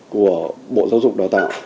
của bộ giáo dục đào tạo